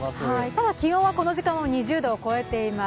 ただ気温はこの時間は２０度を超えています。